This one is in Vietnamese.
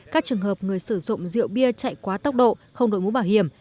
các trường hợp người sử dụng rượu bia chạy quá tốc độ không đội mũ bảo hiểm